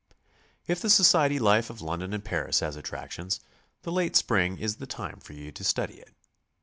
If the society life of London and Paris has attractions, the late spring is the time for you to study it.